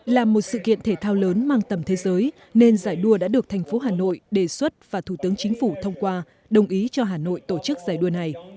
là một sự kiện thể thao lớn mang tầm thế giới nên giải đua đã được thành phố hà nội đề xuất và thủ tướng chính phủ thông qua đồng ý cho hà nội tổ chức giải đua này